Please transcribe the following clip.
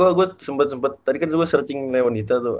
oke gue sempet sempet tadi kan gue searching neonita tuh